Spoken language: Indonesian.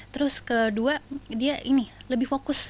terus kedua dia ini lebih fokus